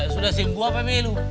sudah sembuh apa melu